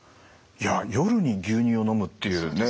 いや夜に牛乳を飲むっていうね